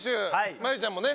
真佑ちゃんもね